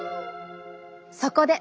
そこで！